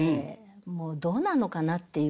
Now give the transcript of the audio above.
もうどうなのかなっていう。